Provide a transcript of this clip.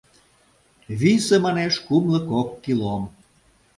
— Висе, манеш, кумло кок килом.